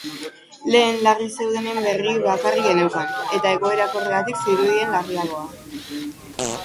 Lehen, larri zeudenen berri bakarrik geneukan, eta egoerak horregatik zirudien larriagoa.